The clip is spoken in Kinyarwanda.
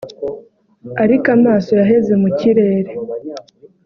ariko amaso yaheze mu kirere”